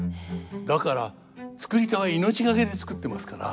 だから作り手は命懸けで作ってますから。